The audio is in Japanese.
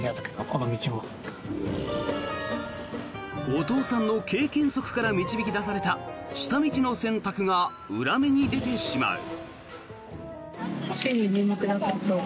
お父さんの経験則から導き出された下道の選択が裏目に出てしまう。